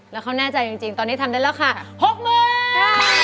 แล้วเขาแน่ใจจริงตอนนี้ทำได้ราคา๖๐๐๐บาท